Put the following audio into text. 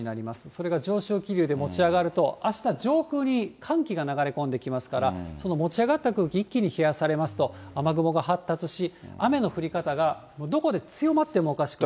それが上昇気流で持ち上がると、あした上空に寒気が流れ込んできますから、その持ち上がった空気、一気に冷やされますと、雨雲が発達し、雨の降り方が、もうどこで強まってもおかしくない。